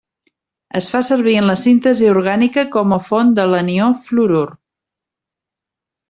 Es fa servir en la síntesi orgànica com a font de l'anió fluorur.